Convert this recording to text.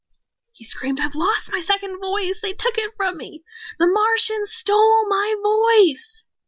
He screamed, "I've lost my second voice! They took it from me! The Martians stole my voice!"